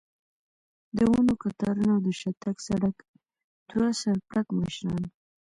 د ونو کتارونه او د شاتګ سړک، دوه سر پړکمشران.